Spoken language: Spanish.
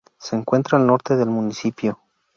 Se encuentra al norte del municipio.